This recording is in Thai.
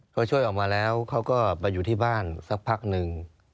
เขาช่วยออกมาแล้วเขาก็มาอยู่ที่บ้านสักพักหนึ่ง